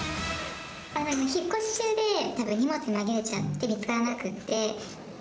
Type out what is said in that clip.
引っ越し中に、たぶん荷物に紛れちゃって、見つからなくって。